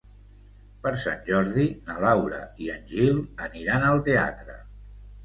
Per Sant Jordi na Laura i en Gil aniran al teatre.